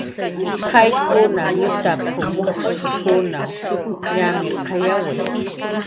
"Qayllunkunaq yaput"" mujskun ñamirqayawi"